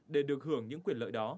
để được hưởng những quyền lợi đó